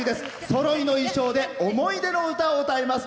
そろいの衣装で思い出の歌を歌います。